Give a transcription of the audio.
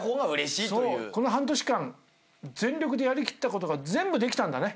この半年間全力でやり切ったことが全部できたんだね。